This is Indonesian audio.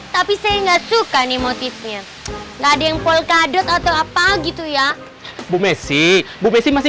tapi saya nggak suka nih motifnya ada yang polkadot atau apa gitu ya bu messi bu messi